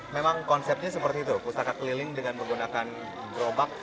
memang konsepnya seperti itu pustaka keliling dengan menggunakan gerobak